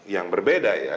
yang berbeda ya